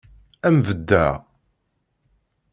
Ad m-beddeɣ.